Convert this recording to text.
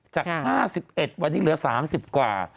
จาก๕๑วันนี้เหลือ๓๐กว่า